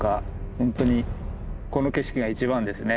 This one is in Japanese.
本当にこの景色が一番ですね。